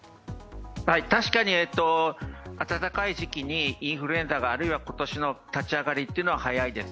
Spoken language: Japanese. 確かに、暖かい時期にインフルエンザが今年の立ち上がりは早いです。